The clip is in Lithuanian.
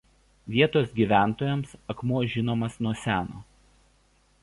Vietos gyventojams akmuo žinomas nuo seno.